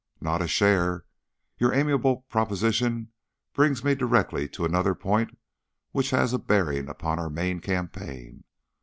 "Not a share. Your amiable proposition brings me directly to another point which has a bearing upon our main campaign.